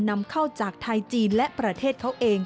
นำเข้าจากไทยจีนและประเทศเขาเอง